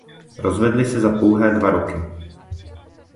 Rozvedli se za pouhé dva roky.